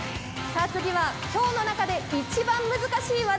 次は今日の中で一番難しい技。